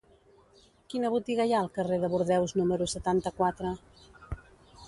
Quina botiga hi ha al carrer de Bordeus número setanta-quatre?